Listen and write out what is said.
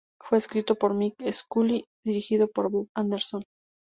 Fue escrito por Mike Scully y dirigido por Bob Anderson.